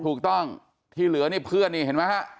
ถูกต้องที่เหลือนี่เพื่อนนี่เห็นไหมฮะ